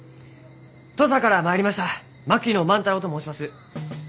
土佐から参りました槙野万太郎と申します。